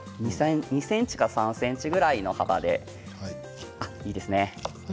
２ｃｍか３ｃｍぐらいの幅でいいですね。